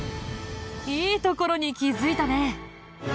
いいところに気づいたね！